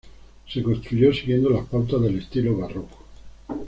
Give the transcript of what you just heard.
Se construyó siguiendo las pautas del estilo barroco.